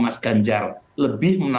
mas ganjar lebih menariknya